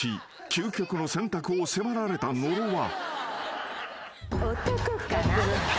究極の選択を迫られた野呂は］